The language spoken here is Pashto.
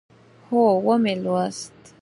هو، ومی لوست